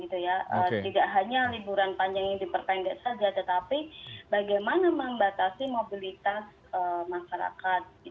tidak hanya liburan panjang yang diperpendek saja tetapi bagaimana membatasi mobilitas masyarakat